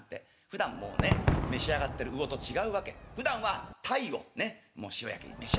ふだんもうね召し上がってる魚と違うわけ。ふだんは鯛をねっ塩焼き召し上がってる。